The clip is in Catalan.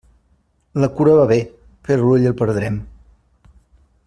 La cura va bé, però l'ull el perdrem.